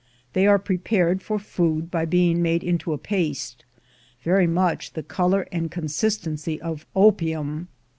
They are prepared for food by being made into a paste, very much of the color and consistency of opium.